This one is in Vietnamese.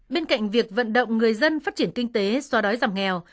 bên cạnh việc vận động người dân phát triển kinh tế so đói giảm nghèo